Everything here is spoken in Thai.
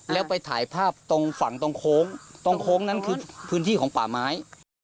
แล้วไปถ่ายภาพตรงฝั่งตรงโค้งตรงโค้งนั้นคือพื้นที่ของป่าไม้